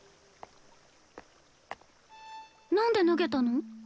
なんで投げたの？